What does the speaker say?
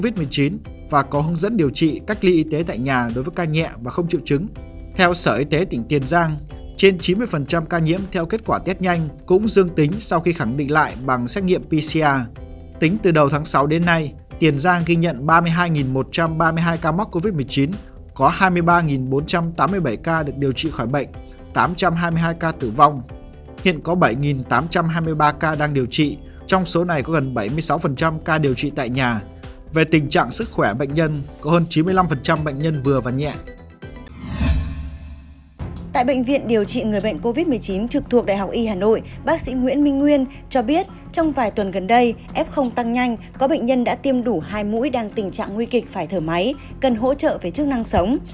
tại bệnh viện điều trị người bệnh covid một mươi chín trực thuộc đại học y hà nội bác sĩ nguyễn minh nguyên cho biết trong vài tuần gần đây f tăng nhanh có bệnh nhân đã tiêm đủ hai mũi đang tình trạng nguy kịch phải thở máy cần hỗ trợ với chức năng sống